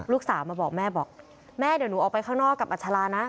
ลูกสาวมาบอกแม่บอกแม่เดี๋ยวหนูออกไปข้างนอกกับอัชรานะ